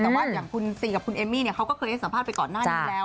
แต่ว่าอย่างคุณซีกับคุณเอมมี่เขาก็เคยให้สัมภาษณ์ไปก่อนหน้านี้แล้ว